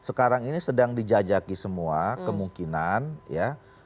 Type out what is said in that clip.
sekarang ini sedang dijajaki semua kemungkinan ya